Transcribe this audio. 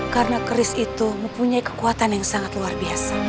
karena keris itu mempunyai kekuatan yang sangat luar biasa